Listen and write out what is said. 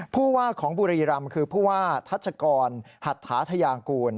ผู้ว่าของบุรีรำคือผู้ว่าทัชกรหัตถาธยางกูล